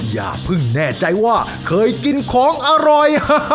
อย่าเพิ่งแน่ใจว่าเคยกินของอร่อย